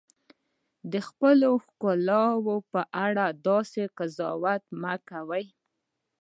د خپلې ښکلا په اړه داسې قضاوت مه کوئ.